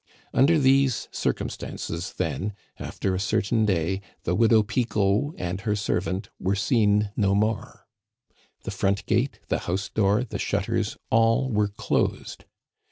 Under these circumstances, then, after a certain day the widow Pigeau and her servant were seen no more. The front gate, the house door, the shutters, all were closed.